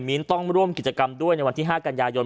มีนต้องร่วมกิจกรรมด้วยในวันที่๕กันยายน